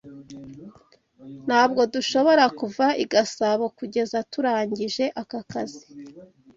Ntabwo dushobora kuva i Gasabo kugeza turangije aka kazi.